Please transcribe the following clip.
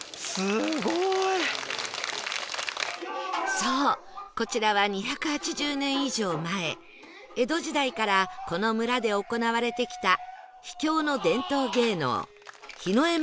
そうこちらは２８０年以上前江戸時代からこの村で行われてきた秘境の伝統芸能檜枝岐歌舞伎